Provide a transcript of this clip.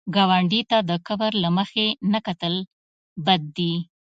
ګاونډي ته د کبر له مخې نه کتل بد دي